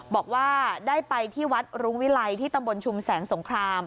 บอกว่าได้ไปที่วัดรุ้งวิไลที่ตำบลชุมแสงสงคราม